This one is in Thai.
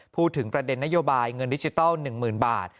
พูดถึงประเด็นนโยบายเงินดิจิทัล๑๐๐๐บาท